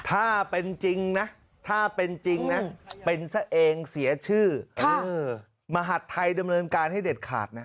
ถ้าเป็นจริงนะถ้าเป็นจริงนะเป็นซะเองเสียชื่อมหัฐไทยดำเนินการให้เด็ดขาดนะ